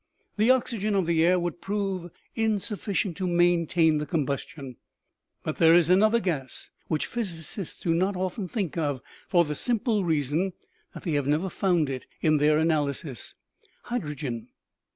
" The oxygen of the air would prove insufficient to maintain the combustion, but there is another gas which physicists do not often think of, for the simple reason that they have never found it in their analyses hydrogen.